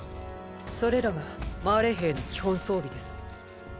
それらがマーレ兵の基本装備です。